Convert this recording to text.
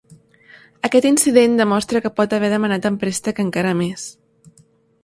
Aquest incident demostra que pot haver demanat en préstec encara més.